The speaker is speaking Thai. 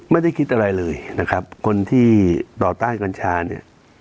ไม่ได้คิดอะไรเลยนะครับคนที่ต่อต้านกัญชาเนี่ย